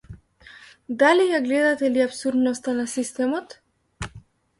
Дали ја гледате ли апсурдноста на системот?